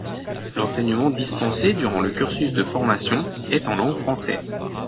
L'enseignement dispensé durant le cursus de formation est en langue française.